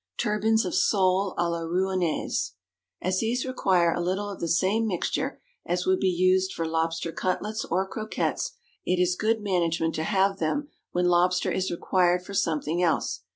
Turbans of Sole à la Rouennaise. As these require a little of the same mixture as would be used for lobster cutlets or croquettes, it is good management to have them when lobster is required for something else.